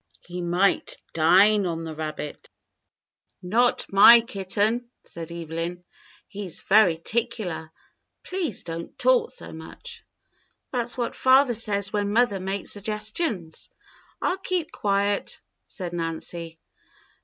"He might dine on a rabbit."^ THE STORY 105 "Not my kitten," said Evelyn. "He's very 'ticu lar. Please don't talk so much." "That's what father says when mother makes sug gestions. I'll keep quiet," said Nancy.